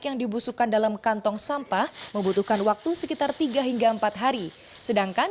yang dibusukkan dalam kantong sampah membutuhkan waktu sekitar tiga hingga empat hari sedangkan